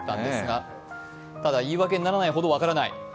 ただ、言い訳にならないほど分からない。